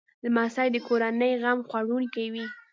لمسی د کورنۍ غم خوړونکی وي.